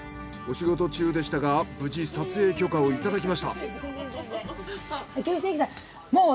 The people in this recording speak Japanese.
お仕事中でしたが無事撮影許可をいただきました。